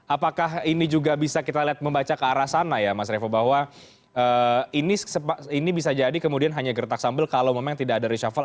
apakah ini juga bisa kita lihat membaca ke arah sana ya mas revo bahwa ini bisa jadi kemudian hanya gertak sambil kalau memang tidak ada reshuffle